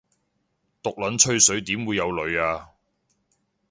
毒撚吹水點會有女吖